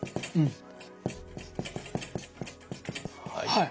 はい。